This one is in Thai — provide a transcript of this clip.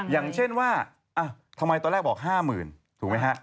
อย่างเช่นว่าทำไมตอนแรกบอก๕๐๐๐ถูกไหมฮะ